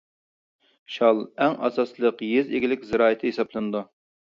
شال ئەڭ ئاساسلىق يېزا ئىگىلىك زىرائىتى ھېسابلىنىدۇ.